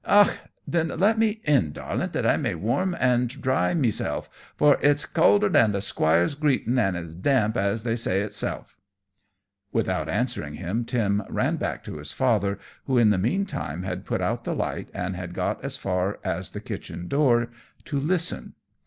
Och! then let me in, darlint, that I may warm and dry mesel', for it's caulder than the 'Squire's greetin', and as damp as the say itsel'." [Illustration: A Terror stricken Household.] Without answering him, Tim ran back to his father, who, in the mean time, had put out the light, and had got as far as the kitchen door to listen.